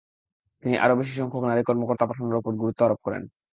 তিনি আরও বেশি সংখ্যক নারী কর্মকর্তা পাঠানোর ওপর গুরুত্ব আরোপ করেন।